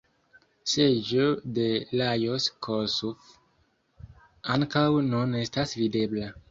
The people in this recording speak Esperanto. Seĝo de Lajos Kossuth ankaŭ nun estas videbla.